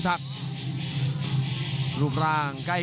ยังไงยังไง